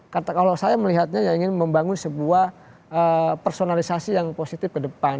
karena kalau saya melihatnya ingin membangun sebuah personalisasi yang positif ke depan